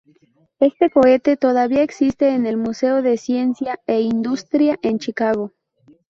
Este cohete todavía existe en el Museo de Ciencia e Industria en Chicago.